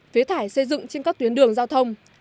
phế thải xây dựng trên các tuyến đường giao thông